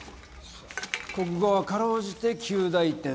国語は辛うじて及第点。